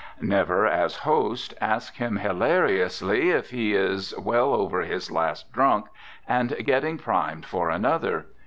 Never, as host, ask him hilariously if he is well over his last drunk, and getting primed for another.